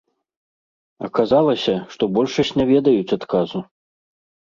Аказалася, што большасць не ведаюць адказу.